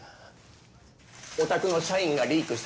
おたくの社員がリークしたのよ